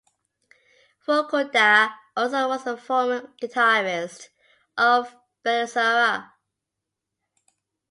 Fukuda also was the former guitarist of Bellusira.